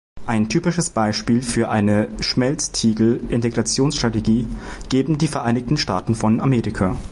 Ein typisches Beispiel für eine „Schmelztiegel“-Integrationsstrategie geben die Vereinigten Staaten von Amerika.